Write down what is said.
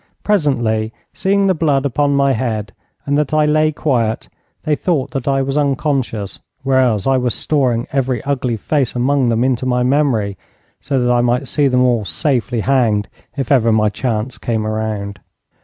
Presently, seeing the blood upon my head, and that I lay quiet, they thought that I was unconscious, whereas I was storing every ugly face among them into my memory, so that I might see them all safely hanged if ever my chance came round.